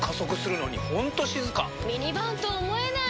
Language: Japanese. ミニバンと思えない！